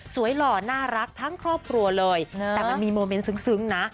หล่อน่ารักทั้งครอบครัวเลยแต่มันมีโมเมนต์ซึ้งนะ